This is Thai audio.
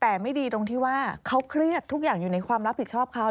แต่ไม่ดีตรงที่ว่าเขาเครียดทุกอย่างอยู่ในความรับผิดชอบเขา